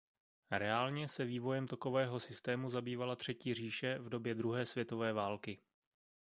Reálně se vývojem takového systému zabývala Třetí říše v době druhé světové války.